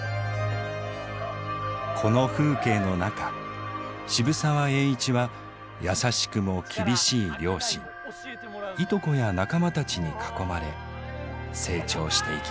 この風景の中渋沢栄一は優しくも厳しい両親いとこや仲間たちに囲まれ成長していきます。